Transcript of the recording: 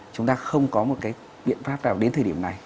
chúng ta không có một cái biện pháp nào đến thời điểm này